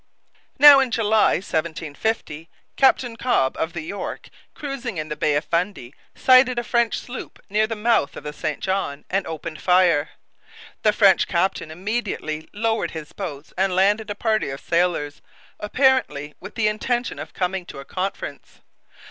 Now, in July 1750, Captain Cobb of the York, cruising in the Bay of Fundy, sighted a French sloop near the mouth of the St John, and opened fire. The French captain immediately lowered his boats and landed a party of sailors, apparently with the intention of coming to a conference.